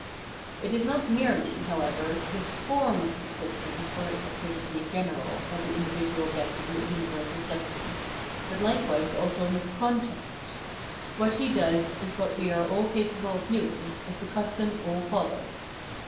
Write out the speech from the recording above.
It is not merely, however, this form of subsistence for his activity in general that the individual gets in the universal substance, but likewise also his content ; what he does is what all are capable of doing, is the custom all follow.